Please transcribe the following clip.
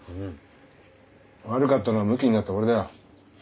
悪かったのはむきになった俺だよ。